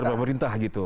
antara pemerintah gitu